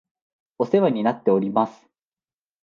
お世話になっております